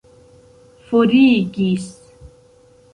forigis